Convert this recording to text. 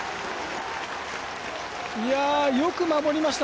よく守りました。